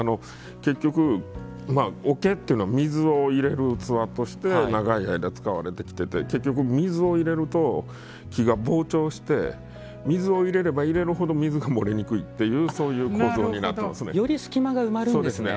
結局桶っていうのは水を入れる器として長い間使われてきてて結局水を入れると木が膨張して水を入れれば入れるほど水が漏れにくいっていうそういう構造になってますね。